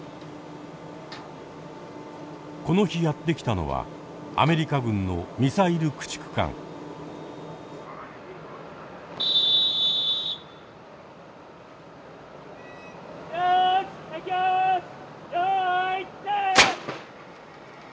この日やって来たのはアメリカ軍のよい。